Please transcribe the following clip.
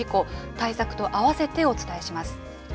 対策と併せてお伝えします。